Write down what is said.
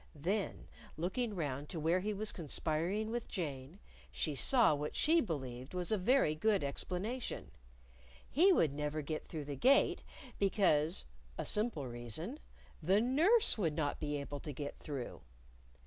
Then looking round to where he was conspiring with Jane, she saw what she believed was a very good explanation: He would never even get through the Gate because (a simple reason!) the nurse would not be able to get through.